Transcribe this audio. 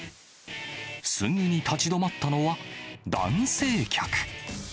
すぐに立ち止まったのは、男性客。